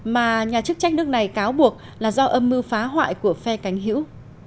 mà nhà chức trách nước này cáo buộc là do âm mưu phá hoại của phe cánh hữu